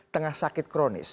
tengah sakit kronis